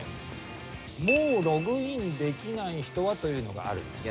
「もうログインできない人は」というのがあるんです。